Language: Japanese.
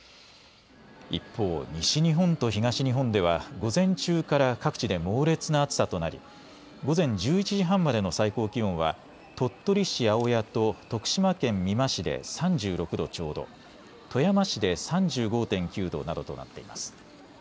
一方、西日本と東日本では午前中から各地で猛烈な暑さとなり午前１１時半までの最高気温は鳥取市青谷と徳島県美馬市で３６度ちょうど、富山市で３５．９度などとなっています。